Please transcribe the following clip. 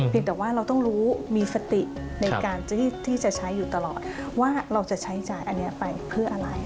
แต่ว่าเราต้องรู้มีสติในการที่จะใช้อยู่ตลอดว่าเราจะใช้จ่ายอันนี้ไปเพื่ออะไร